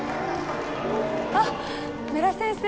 あっ米良先生